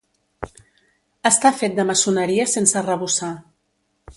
Està fet de maçoneria sense arrebossar.